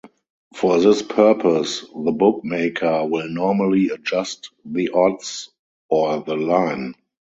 For this purpose, the bookmaker will normally adjust the odds or the "line".